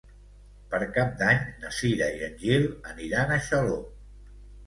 Per Cap d'Any na Cira i en Gil aniran a Xaló.